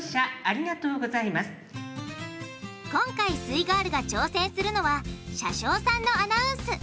今回すイガールが挑戦するのは車掌さんのアナウンス。